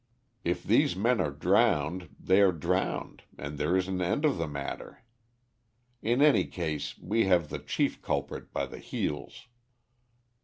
If these men are drowned, they are drowned, and there is an end of the matter. In any case, we have the chief culprit by the heels."